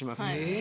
え！